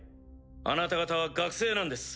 あなた方は学生なんです。